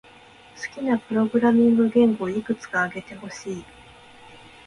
好きなプログラミング言語をいくつか挙げてほしい。